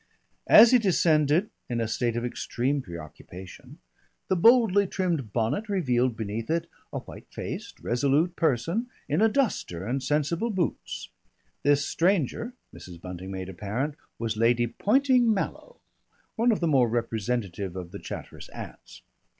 As he descended, in a state of extreme preoccupation, the boldly trimmed bonnet revealed beneath it a white faced, resolute person in a duster and sensible boots. This stranger, Mrs. Bunting made apparent, was Lady Poynting Mallow, one of the more representative of the Chatteris aunts.